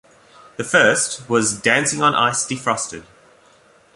The first was "Dancing on Ice Defrosted".